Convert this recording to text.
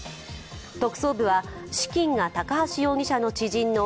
特捜部は資金が高橋容疑者の知人の